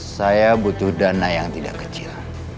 saya butuh dana yang tidak kecil